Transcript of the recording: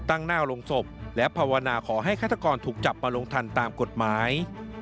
ตั้งหน้าลงศพและภาวนาขอให้ฆาตกรถูกจับมาลงทันตามกฎหมาย